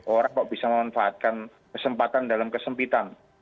orang kok bisa memanfaatkan kesempatan dalam kesempitan